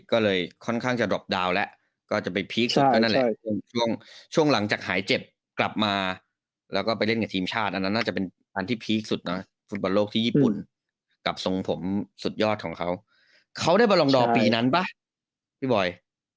ก็เลยค่อนข้างจะดรอบดาวแล้วก็จะไปพีคสุดก็นั่นแหละช่วงช่วงหลังจากหายเจ็บกลับมาแล้วก็ไปเล่นกับทีมชาติอันนั้นน่าจะเป็นอันที่พีคสุดนะฟุตบอลโลกที่ญี่ปุ่นกับทรงผมสุดยอดของเขาเขาได้มาลองดอปีนั้นป่ะพี่บอย